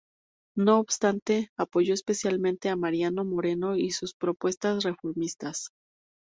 No obstante, apoyó especialmente a Mariano Moreno y sus propuestas reformistas.